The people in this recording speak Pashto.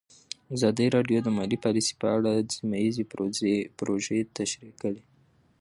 ازادي راډیو د مالي پالیسي په اړه سیمه ییزې پروژې تشریح کړې.